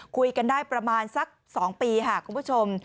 คุยกันได้ประมาณสัก๒ปีค่ะคุณผู้ชม